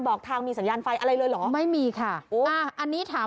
บอกทางมีสัญญาณไฟอะไรเลยเหรอไม่มีค่ะโอ้อ่าอันนี้ถาม